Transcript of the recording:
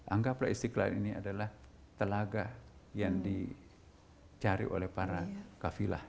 anggaplah istiqlal ini adalah telaga yang dicari oleh para kafilah